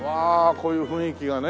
こういう雰囲気がね。